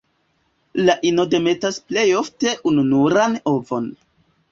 La ino demetas plej ofte ununuran ovon.